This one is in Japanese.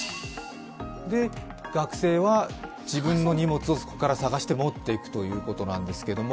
学生は自分の荷物をそこから探して持っていくということなんですけれども。